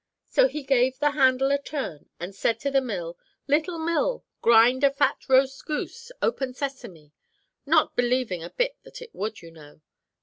"So he gave the handle a turn, and said to the mill, 'Little mill, grind a fat roast goose, open sesame,' not believing a bit that it would, you know.